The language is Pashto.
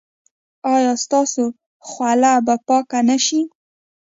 ایا ستاسو خوله به پاکه نه شي؟